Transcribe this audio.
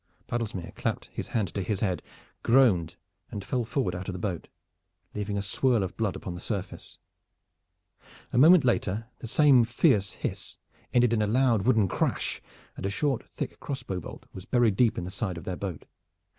Baddlesmere clapped his hand to his head, groaned and fell forward out of the boat, leaving a swirl of blood upon the surface. A moment later the same fierce hiss ended in a loud wooden crash, and a short, thick crossbow bolt was buried deep in the side of their boat.